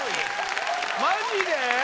マジで？